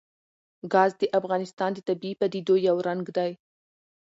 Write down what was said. ګاز د افغانستان د طبیعي پدیدو یو رنګ دی.